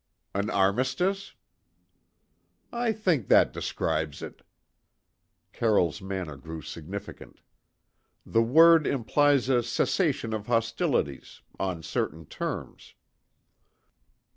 "An armistice?" "I think that describes it." Carroll's manner grew significant. "The word implies a cessation of hostilities on certain terms."